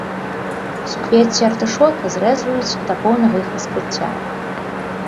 Суквецці артышока зрэзваюць да поўнага іх раскрыцця.